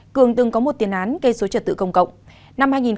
cường từng có một tiền án gây dối trật tự công cộng